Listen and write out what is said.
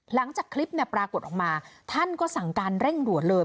หลังจากคลิปปรากฏออกมาท่านก็สั่งการเร่งด่วนเลย